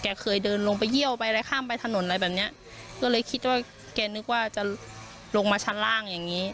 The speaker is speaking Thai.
เคยเดินลงไปเยี่ยวไปอะไรข้ามไปถนนอะไรแบบเนี้ยก็เลยคิดว่าแกนึกว่าจะลงมาชั้นล่างอย่างงี้